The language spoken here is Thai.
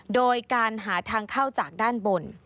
โดยการหาทางเข้าจากด้านบน